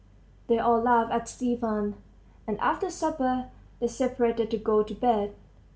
They all laughed at Stepan, and after supper they separated to go to bed.